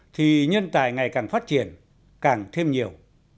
thì nhân tài ngày càng phát triển càng thêm nhiều